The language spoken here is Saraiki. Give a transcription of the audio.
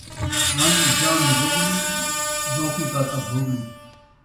رن جان روڳڑی ، ذونقی کاکا بھوڳڑی